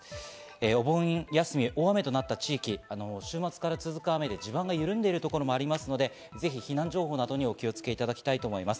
お盆休み、大雨となった地域、週末から続く雨で地盤が緩んでいるところもありますので、ぜひ避難情報などにお気をつけいただきたいと思います。